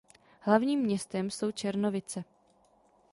Hlavním městem jsou Černovice.